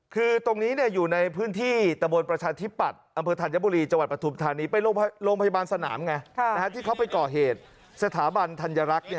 คือตรงนี้อยู่ในพื้นที่ตะโมนประชาธิปัตย์